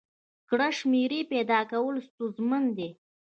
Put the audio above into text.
کره شمېرې پیدا کول ستونزمن دي.